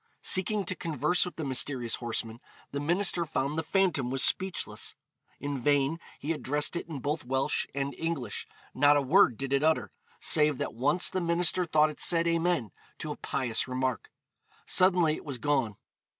Seeking to converse with the mysterious horseman, the minister found the phantom was speechless. In vain he addressed it in both Welsh and English; not a word did it utter, save that once the minister thought it said 'Amen,' to a pious remark. Suddenly it was gone.